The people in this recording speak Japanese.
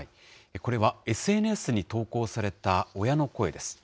これはＳＮＳに投稿された親の声です。